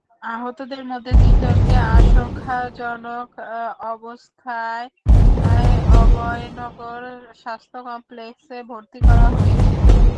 আহতদের মধ্যে তিনজনকে আশঙ্কাজনক অবস্থায় অভয়নগর স্বাস্থ্য কমপ্লেক্সে ভর্তি করা হয়েছে।